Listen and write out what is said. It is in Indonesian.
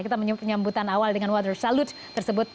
kita menyambut penyambutan awal dengan water salute tersebut